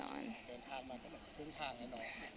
เดินทางมาจะแบบครึ่งทางแน่นร้อน